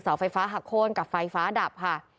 ไฟฟ้าหักโค้นกับไฟฟ้าดับค่ะ